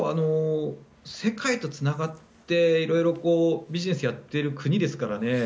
世界とつながって色々、ビジネスをやってる国ですからね。